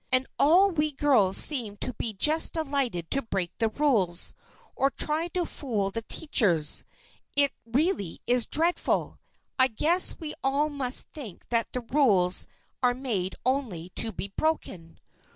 "And all we girls seem to be just delighted to break the rules, or try to fool the teachers. It really is dreadful! I guess we all must think that rules are made only to be broken.